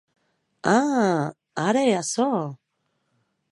A!, ara hè açò?